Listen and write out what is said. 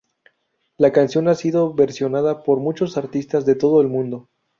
La canción ha sido versionada por muchos artistas de todo el mundo.